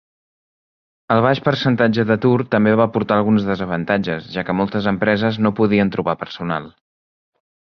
El baix percentatge d'atur també va portar alguns desavantatges, ja que moltes empreses no podien trobar personal.